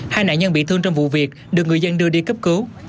hai nạn nhân bị thương trong vụ việc được người dân đưa đi cấp cứu